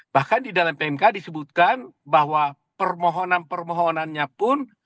bahkan di dalam pmk disebutkan bahwa permohonan permohonannya pun